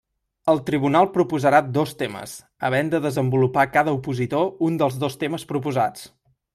El tribunal proposarà dos temes, havent de desenvolupar cada opositor un dels dos temes proposats.